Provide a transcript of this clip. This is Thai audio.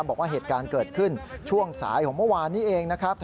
บอกว่าเหตุการณ์เกิดขึ้นช่วงสายของเมื่อวานนี้เองนะครับ